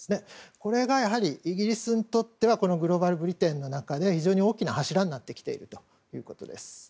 これがやはり、イギリスにとってグローバル・ブリテンの中で非常に大きな柱になってきているということです。